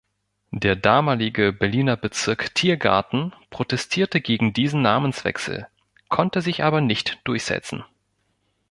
Der damalige Berliner Bezirk Tiergarten protestierte gegen diesen Namenswechsel, konnte sich aber nicht durchsetzen.